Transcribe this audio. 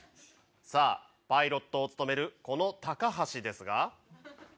さあ、パイロットを務めるこの高橋ですが。